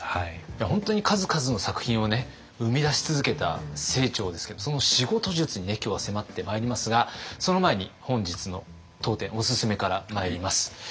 本当に数々の作品をね生み出し続けた清張ですけどその仕事術に今日は迫ってまいりますがその前に本日の当店オススメからまいります。